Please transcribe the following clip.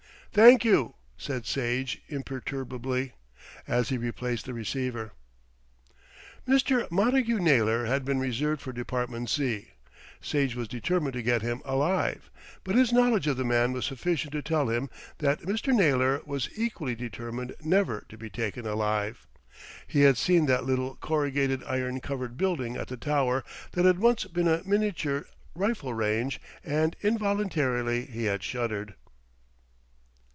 "Thank you," said Sage imperturbably, as he replaced the receiver. Mr. Montagu Naylor had been reserved for Department Z. Sage was determined to get him alive; but his knowledge of the man was sufficient to tell him that Mr. Naylor was equally determined never to be taken alive. He had seen that little corrugated iron covered building at the Tower that had once been a miniature rifle range and, involuntarily, he had shuddered.